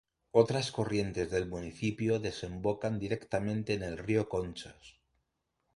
Otras corrientes del municipio desembocan directamente en el río Conchos.